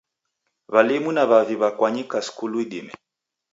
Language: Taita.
W'alimu na w'avi w'akwanyika skulu idime